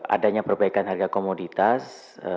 adanya perbaikan harga komoditas